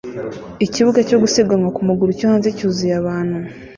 Ikibuga cyo gusiganwa ku maguru cyo hanze cyuzuye abantu